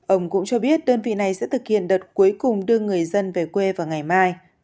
ông cũng cho biết đơn vị này sẽ thực hiện đợt cuối cùng đưa người dân về quê vào ngày mai